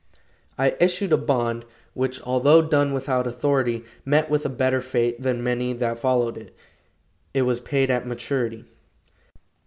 I issued a bond, which, although done without authority, met with a better fate than many that followed it, it was paid at maturity.